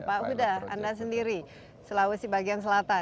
pak huda anda sendiri sulawesi bagian selatan